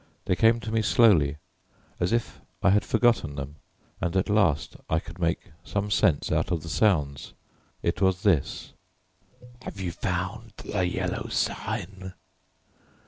They came to me slowly as if I had forgotten them, and at last I could make some sense out of the sounds. It was this: "Have you found the Yellow Sign?"